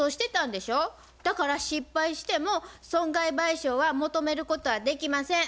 だから失敗しても損害賠償は求めることはできません。